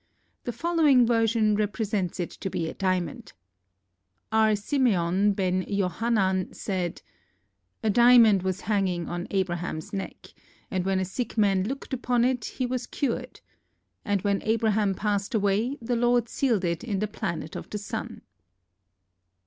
The following version represents it to be a diamond: R. Simeon, ben Johanan said: "A diamond was hanging on Abraham's neck, and when a sick man looked upon it he was cured. And when Abraham passed away, the Lord sealed it in the planet of the sun."